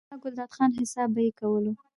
ملا ګلداد خان، حساب به ئې کولو،